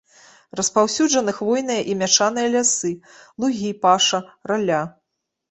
Распаўсюджаны хвойныя і мяшаныя лясы, лугі, паша, ралля.